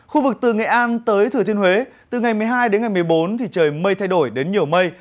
khu vực từ nghệ an tới thừa thiên huế từ ngày một mươi hai đến ngày một mươi bốn thì trời mây thay đổi đến nhiều mây